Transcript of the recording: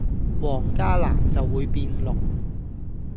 黃加藍就會變綠